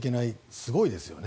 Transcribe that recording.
すごいですよね。